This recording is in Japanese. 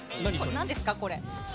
なんですか、これ。